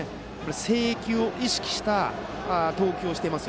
制球を意識した投球をしています。